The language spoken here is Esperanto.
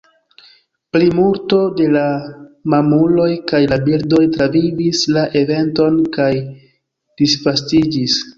Plimulto de la mamuloj kaj la birdoj travivis la eventon kaj disvastiĝis.